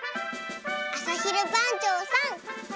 あさひるばんちょうさん。